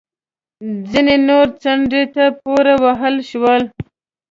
ځینې نور څنډې ته پورې ووهل شول